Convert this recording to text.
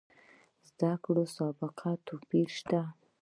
زده کړو سابقې توپیر شته.